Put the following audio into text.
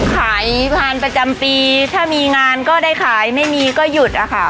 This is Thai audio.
ขายผ่านประจำปีถ้ามีงานก็ได้ขายไม่มีก็หยุดอะค่ะ